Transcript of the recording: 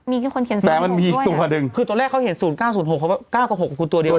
มีคนเขียนศูนย์หกด้วยแต่มันมีอีกตัวหนึ่งคือตอนแรกเขาเขียนศูนย์เก้าศูนย์หกเขาว่าเก้ากว่าหกก็คือตัวเดียวกัน